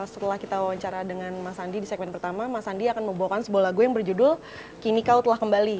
setelah kita wawancara dengan mas andi di segmen pertama mas sandi akan membawakan sebuah lagu yang berjudul kini kau telah kembali